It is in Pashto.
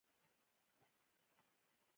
علامه حبیبي د معاصر تاریخ تحلیل کړی دی.